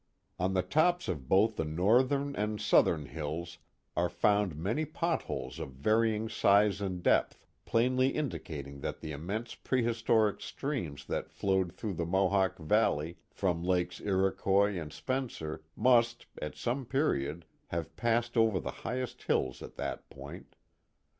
On the tops of both the northern and southern hills are found many pot holes of varying size and depth, plainly indicating that the immense prehistoric streams that flowed through the Mohawk Valley from Lakes Iroquois and Spencer must, at some period, have passed over the highest hills at that point.